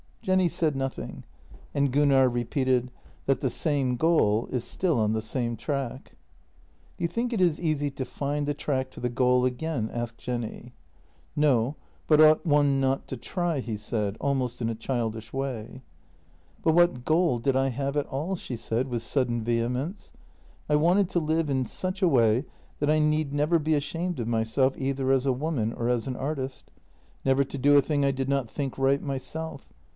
" Jenny said nothing — and Gunnar repeated: "That the same goal is still on the same track." " Do you think it is easy to find the track to the goal again? " asked Jenny. " No, but ought one not to try? " he said, almost in a childish way. " But what goal did I have at all? " she said, with sudden vehemence. " I wanted to live in such a way that I need never be ashamed of myself either as a woman or as an artist. Never to do a thing I did not think right myself.